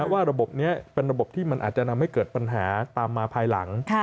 ว่าระบบนี้เป็นระบบที่มันอาจจะทำให้เกิดปัญหาตามมาภายหลัง